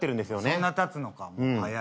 そんなたつのか早いね。